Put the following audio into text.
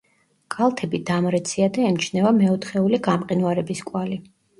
კალთები დამრეცია და ემჩნევა მეოთხეული გამყინვარების კვალი.